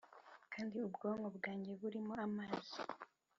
kandi ubwonko bwanjye burimo amazi